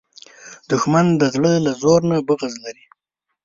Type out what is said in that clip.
دښمن د زړه له ژورو نه بغض لري